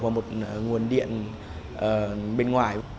vào một nguồn điện bên ngoài